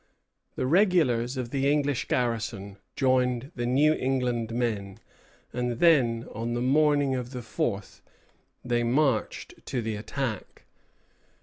The regulars of the English garrison joined the New England men; and then, on the morning of the fourth, they marched to the attack.